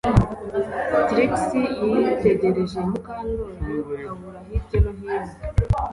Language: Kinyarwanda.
Trix yitegereje Mukandoli abura hirya no hino